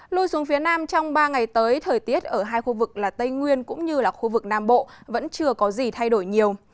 lui xuống phía nam trong ba ngày tới thời tiết ở hai khu vực là tây nguyên cũng như là khu vực nam bộ vẫn chưa có gì thay đổi nhiều